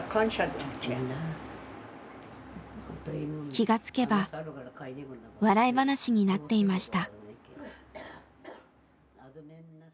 気がつけば笑い話になっていました。